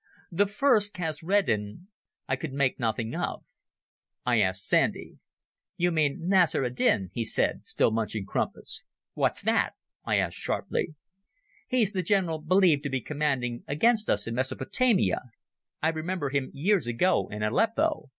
The first, "Kasredin", I could make nothing of. I asked Sandy. "You mean Nasr ed din," he said, still munching crumpets. "What's that?" I asked sharply. "He's the General believed to be commanding against us in Mesopotamia. I remember him years ago in Aleppo.